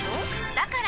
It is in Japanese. だから！